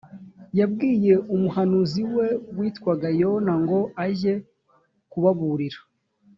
yabwiye umuhanuzi we witwaga yona ngo ajye kubaburira